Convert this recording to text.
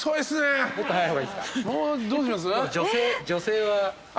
女性は。